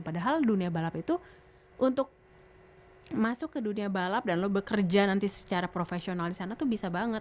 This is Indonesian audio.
padahal dunia balap itu untuk masuk ke dunia balap dan lu bekerja nanti secara profesional di sana tuh bisa banget